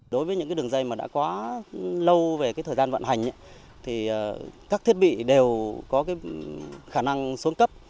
đối với những đường dây mà đã quá lâu về thời gian vận hành thì các thiết bị đều có khả năng xuống cấp